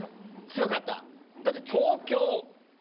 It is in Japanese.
強かった？だって。